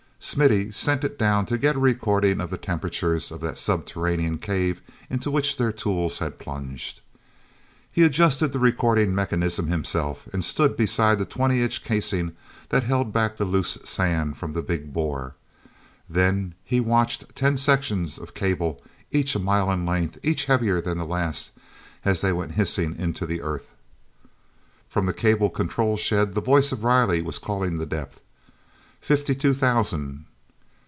Smithy sent it down to get a recording of the temperatures of that subterranean cave into which their tools had plunged. He adjusted the recording mechanism himself and stood beside the twenty inch casing that held back the loose sand from the big bore. Then he watched ten sections of cable, each a mile in length, each heavier than the last, as they went hissing into the earth. From the cable control shed the voice of Riley was calling the depth. "Fifty two thousand."